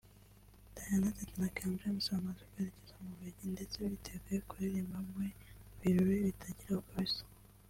Diana Teta na King James bamaze kwerekeza mu Bubiligi ndetse biteguye kuririmba muri ibi birori bitagira uko bisa